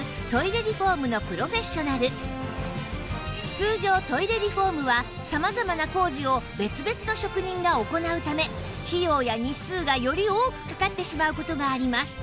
通常トイレリフォームは様々な工事を別々の職人が行うため費用や日数がより多くかかってしまう事があります